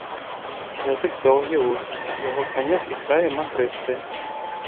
Язык доўгі, вузкі, яго канец і краі махрыстыя.